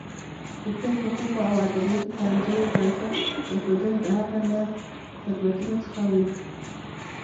د طب، حقوقو او ادبیاتو پوهنځیو بنسټ ایښودل د هغه له خدمتونو څخه و.